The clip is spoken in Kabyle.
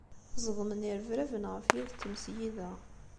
Ẓedmen yirebraben ɣef yiwet n tmesgida.